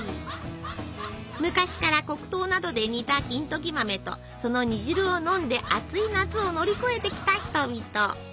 昔から黒糖などで煮た金時豆とその煮汁を飲んで暑い夏を乗り越えてきた人々。